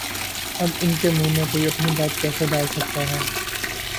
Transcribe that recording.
اب ان کے منہ میں کوئی اپنی بات کیسے ڈال سکتا ہے؟